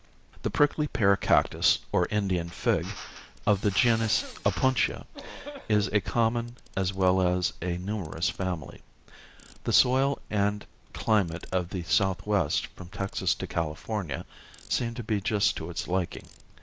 The prickly pear cactus, or Indian fig, of the genus Opuntia is a common as well as a numerous family. The soil and climate of the southwest from Texas to California seem to be just to its liking.